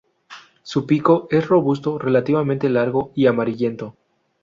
Su pico es robusto, relativamente largo y amarillento.